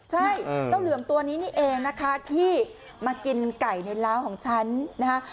ใช่เจ้าเหลือมตัวนี้นี่เองนะคะที่มากินไก่ในล้าวของฉันนะคะ